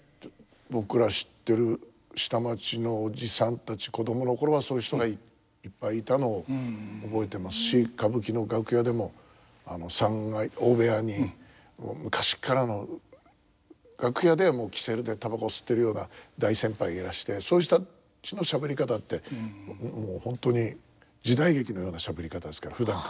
僕ら知ってる下町のおじさんたち子供の頃はそういう人がいっぱいいたのを覚えてますし歌舞伎の楽屋でも三階大部屋にもう昔っからの楽屋ではもう煙管でたばこ吸ってるような大先輩いらしてそうした人のしゃべり方ってもうホントに時代劇のようなしゃべり方ですからふだんから。